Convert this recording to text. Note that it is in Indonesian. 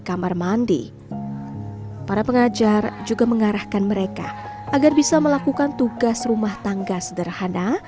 kamar mandi para pengajar juga mengarahkan mereka agar bisa melakukan tugas rumah tangga sederhana